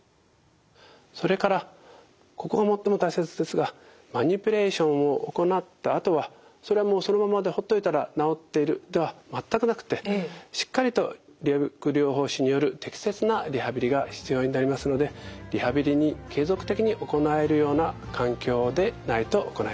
それからここが最も大切ですがマニピュレーションを行ったあとはそれはもうそのままでほっといたら治っているでは全くなくてしっかりと理学療法士による適切なリハビリが必要になりますのでリハビリに継続的に行えるような環境でないと行えません。